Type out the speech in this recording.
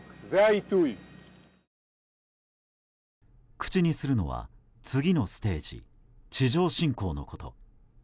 口にするのは、次のステージ地上侵攻のこと。